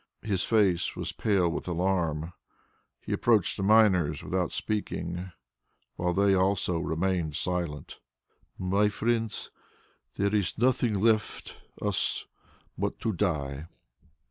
His face was pale with alarm. He approached the miners without speaking, while they also remained silent. "My friends, there is nothing left us but to die!"